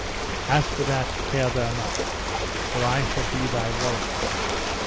As for that care thou not, for I shall be thy warrant.